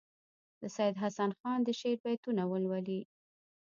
د سیدحسن خان د شعر بیتونه ولولي.